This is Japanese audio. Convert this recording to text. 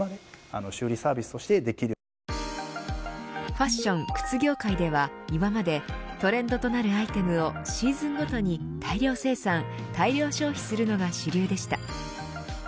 ファッション・靴業界では今までトレンドとなるアイテムをシーズンごとに大量生産、大量消費するのが主流でした。